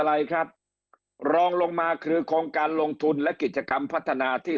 อะไรครับรองลงมาคือโครงการลงทุนและกิจกรรมพัฒนาที่